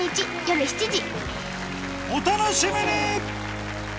お楽しみに！